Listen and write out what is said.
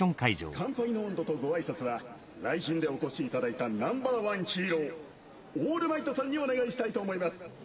乾杯の音頭とご挨拶は来賓でお越しいただいたＮｏ．１ヒーローオールマイトさんにお願いしたいと思います。